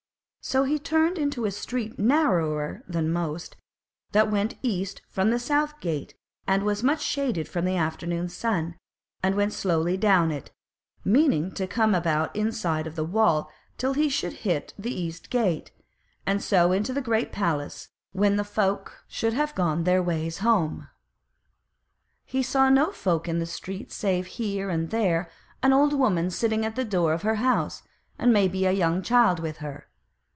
So he turned into a street narrower than most, that went east from the South Gate and was much shaded from the afternoon sun, and went slowly down it, meaning to come about the inside of the wall till he should hit the East Gate, and so into the Great Place when the folk should have gone their ways home. He saw no folk in the street save here and there an old woman sitting at the door of her house, and maybe a young child with her.